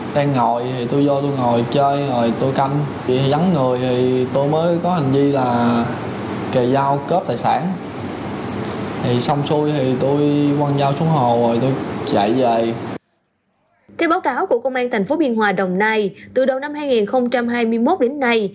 theo báo cáo của công an tp biên hòa đồng nai từ đầu năm hai nghìn hai mươi một đến nay